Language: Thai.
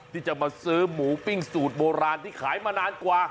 ที่จะมาซื้อหมูปิ้งสูตรโบราณที่ขายมานานกว่า